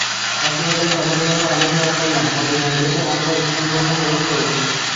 রাসূল সাল্লাল্লাহু আলাইহি ওয়াসাল্লাম মদীনায় এলে আমরা ইসলাম ধর্ম গ্রহণ করব।